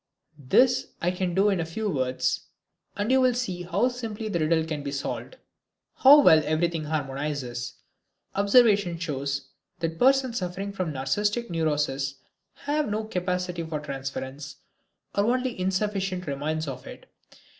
This I can do in a few words and you will see how simply the riddle can be solved, how well everything harmonizes. Observation shows that persons suffering from narcistic neuroses have no capacity for transference, or only insufficient remains of it.